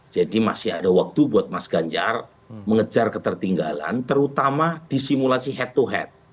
jadi masih ada waktu buat mas ganjar mengejar ketertinggalan terutama di simulasi head to head